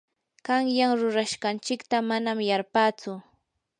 qanyan rurashqanchikta manam yarpatsu.